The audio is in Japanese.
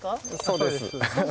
そうです。